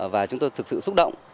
và chúng tôi thực sự xúc động